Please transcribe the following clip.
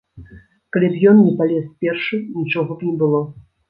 Калі б ён не палез першы, нічога б не было.